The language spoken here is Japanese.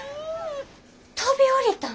飛び降りたん！？